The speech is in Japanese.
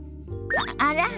あら？